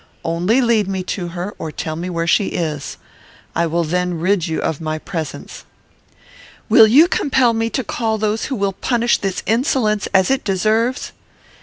Only lead me to her, or tell me where she is. I will then rid you of my presence." "Will you compel me to call those who will punish this insolence as it deserves?"